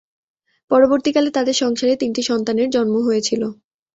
পরবর্তীকালে তাদের সংসারে তিনটি সন্তানের জন্ম হয়েছিল।